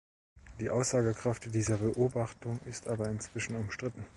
Die Aussagekraft dieser Beobachtung ist aber inzwischen umstritten.